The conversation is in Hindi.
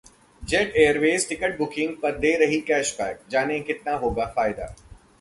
जेट एयरवेज टिकट बुकिंग पर दे रही कैशबैक, जानें कितना होगा फायदा